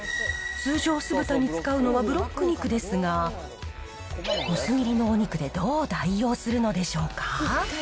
通常、酢豚に使うのはブロック肉ですが、薄切りのお肉でどう代用するのでしょうか。